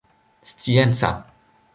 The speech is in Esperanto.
scienca